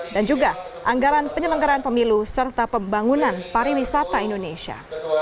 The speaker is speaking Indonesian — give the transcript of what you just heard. dan juga anggaran penyelenggaran pemilu serta pembangunan pariwisata indonesia